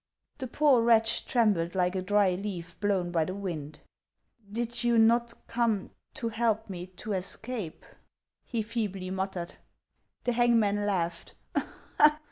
The poor wretch trembled like a dry leaf blown by the wind. <; Did you not come to help me to escape ?" he feebly muttered. The hangman laughed.